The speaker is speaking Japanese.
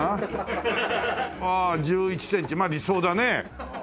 あ１１センチまあ理想だね。